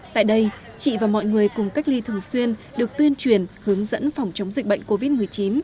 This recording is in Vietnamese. tại đây chị và mọi người cùng cách ly thường xuyên được tuyên truyền hướng dẫn phòng chống dịch bệnh covid một mươi chín